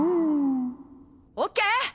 オッケー。